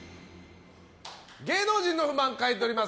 芸能人の不満買い取ります。